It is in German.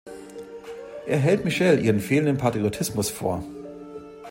Er hält Michelle ihren fehlenden Patriotismus vor.